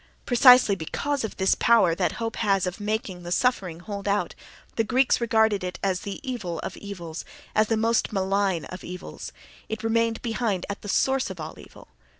(Precisely because of this power that hope has of making the suffering hold out, the Greeks regarded it as the evil of evils, as the most malign of evils; it remained behind at the source of all evil.)